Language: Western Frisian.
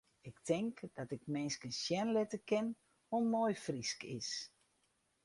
Ik tink dat ik minsken sjen litte kin hoe moai Frysk is.